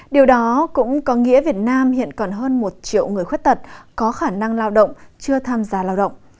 điều đó cũng có nghĩa việt nam hiện còn hơn một triệu người khuyết tật có khả năng lao động chưa tham gia lao động